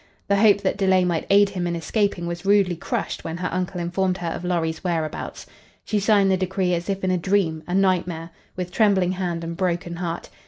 The hope that delay might aid him in escaping was rudely crushed when her uncle informed her of Lorry's whereabouts. She signed the decree as if in a dream, a nightmare, with trembling hand and broken heart.